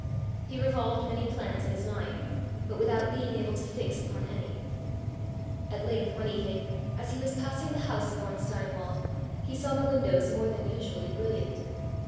He revolved many plans in his mind, but without being able to fix upon any. At length, one evening, as he was passing the house of Von Steinwald, he saw the windows more than usually brilliant.